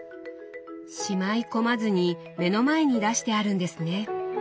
しまい込まずに目の前に出してあるんですね。